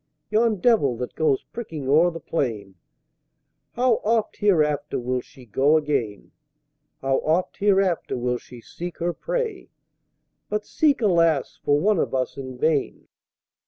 Yon "Devil" that goes pricking o'er the Plain, How oft hereafter will she go again! How oft hereafter will she seek her prey? But seek, alas, for one of us in vain!